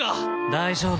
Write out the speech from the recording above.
大丈夫。